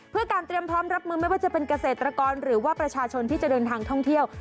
เพื่อการเตรียมพร้อมรับมือไม่ว่าจะเป็นเกษตรกรหรือว่าประชาชนที่จะเดินทางท่องเที่ยว